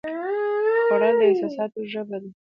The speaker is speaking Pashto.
خوړل د احساساتو ژبه ده